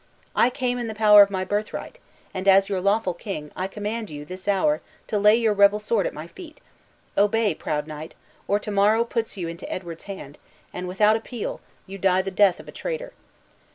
I came in the power of my birthright; and, as your lawful king, I command you, this hour, to lay your rebel sword at my feet. Obey, proud knight, or to morrow puts you into Edward's hand, and, without appeal, you die the death of a traitor."